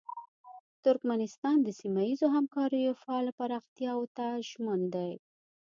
ترکمنستان د سیمه ییزو همکاریو فعاله پراختیاوو ته ژمن دی.